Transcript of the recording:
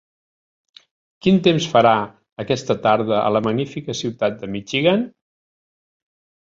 Quin temps farà aquesta tarda a la magnífica ciutat de Michigan?